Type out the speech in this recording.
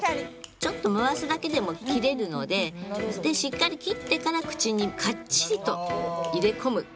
ちょっと回すだけでも切れるのでしっかり切ってから口にかっちりと入れ込む。